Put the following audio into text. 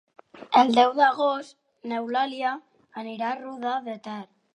El deu d'agost n'Eulàlia anirà a Roda de Ter.